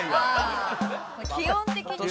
ああ気温的にね。